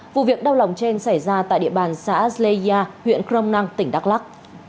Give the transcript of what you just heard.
vụ việc đau lòng trên xảy ra tại địa bàn xã zleja huyện kronang tỉnh đắk lắc